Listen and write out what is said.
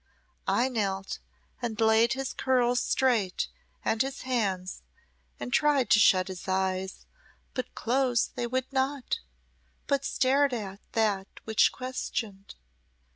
I knelt, and laid his curls straight, and his hands, and tried to shut his eyes, but close they would not, but stared at that which questioned.